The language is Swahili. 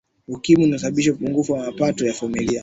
ukimwi unasababisha upungufu wa mapato ya familia